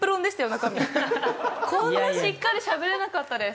中身こんなしっかりしゃべれなかったです